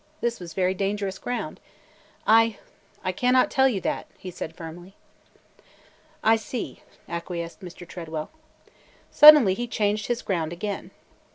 This was very dangerous ground. "I – I cannot tell you that!" he said firmly. "I see," acquiesced Mr. Tredwell. Suddenly he changed his ground again.